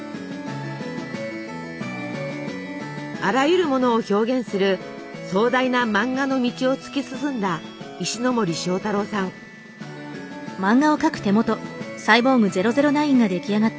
あらゆるものを表現する壮大な漫画の道を突き進んだ石森章太郎さん。